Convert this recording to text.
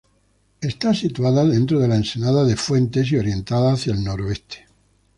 Está situada dentro de la ensenada de Fuentes, y orientada hacia el noroeste.